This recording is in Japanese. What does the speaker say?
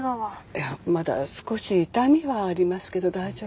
いやまだ少し痛みはありますけど大丈夫。